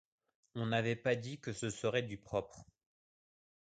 On avait pas dit que ce serait du propre.